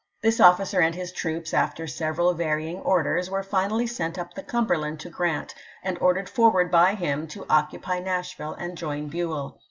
This officer and his troops, after several varying orders, were finally sent up the Cumberland to Grant, and ordered forward by him to occupy Nashville and join Buell.